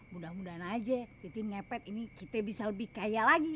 mudah mudahan aja itu ngepet ini kita bisa lebih kaya lagi